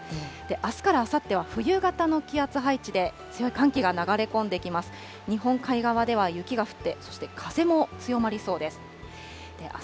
あすからあさっては冬型の気圧配置で、強い寒気が流れ込んできます。